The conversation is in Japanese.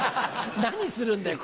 何するんだよ